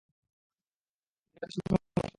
কিন্তু একটা ছোট সমস্যা রয়েছে।